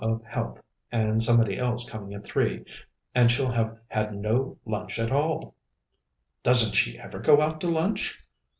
of Health and somebody else coming at three and she'll have had no lunch at all." "Doesn't she ever go out to lunch?"